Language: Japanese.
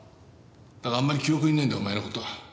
だがあんまり記憶にねえんだお前の事は。